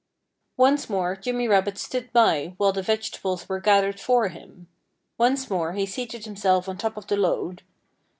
Once more Jimmy Rabbit stood by while the vegetables were gathered for him. Once more he seated himself on top of the load.